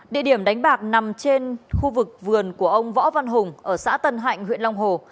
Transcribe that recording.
địa điểm đánh bạc nằm trên khu vực vườn của ông võ văn hùng ở xã tân hạnh huyện long hồ